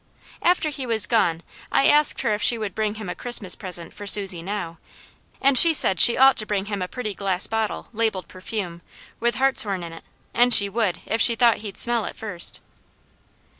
After he was gone I asked her if she would bring him a Christmas present for Susie NOW, and she said she ought to bring him a pretty glass bottle labelled perfume, with hartshorn in it, and she would, if she thought he'd smell it first.